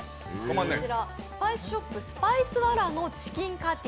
スパイスショップスパイスワラのチキンカティ